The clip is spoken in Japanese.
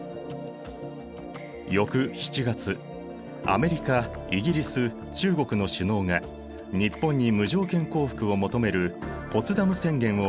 翌７月アメリカイギリス中国の首脳が日本に無条件降伏を求めるポツダム宣言を発表。